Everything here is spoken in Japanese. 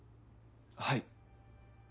はい。